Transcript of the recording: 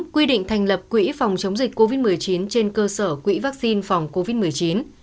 quy định thành lập quỹ phòng chống dịch covid một mươi chín trên cơ sở quỹ vaccine phòng covid một mươi chín